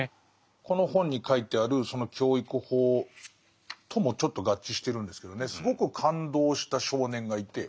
この本に書いてあるその教育法ともちょっと合致してるんですけどねすごく感動した少年がいて。